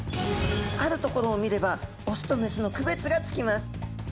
あるところを見ればオスとメスの区別がつきます。